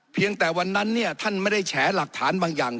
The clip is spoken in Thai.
แต่วันนั้นเนี่ยท่านไม่ได้แฉหลักฐานบางอย่าง